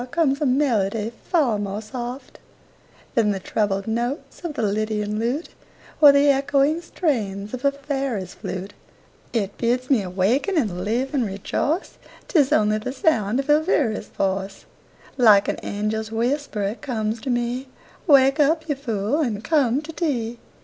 comes a melody far more soft Than the troubled notes of a lydian lute Or the echoing strains of a fairy's flute; It bids me awaken and live and rejoice, 'Tis only the sound of Elviry's voice Like an angel's whisper it comes to me: "Wake up, you fool, and come to tea."